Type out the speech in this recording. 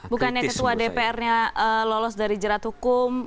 bukannya ketua dpr nya lolos dari jerat hukum